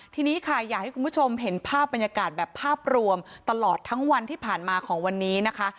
ทีนี้ค่ะอยากให้คุณผู้ชมเห็นภาพบรรยากาศแบบภาพรวมตลอดทั้งวันที่ผ่านมาของวันนี้นะคะ